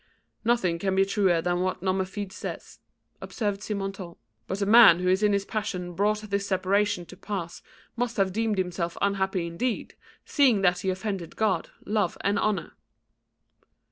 "Nothing can be truer than what Nomerfide says," observed Simontault, "but the man who in his passion brought this separation to pass must have deemed himself unhappy indeed, seeing that he offended God, Love and Honour."